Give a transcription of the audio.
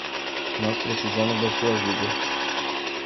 Nós precisamos da sua ajuda!